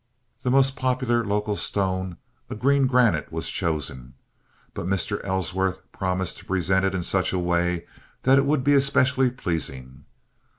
The most popular local stone, a green granite was chosen; but Mr. Ellsworth promised to present it in such a way that it would be especially pleasing.